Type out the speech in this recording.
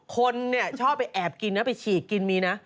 คนชอบไปแอบกินนะไปฉีกกินมีนะ